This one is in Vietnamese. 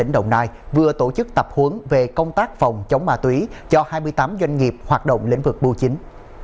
doanh nghiệp hoạt động lĩnh vực bưu chính